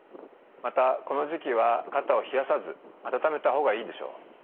またこの時期は肩を冷やさず温めた方がいいでしょう。